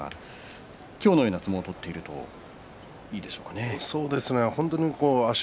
今日のような相撲を取っているといいでしょうかね。